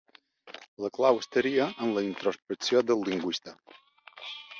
La clau estaria en la introspecció del lingüista.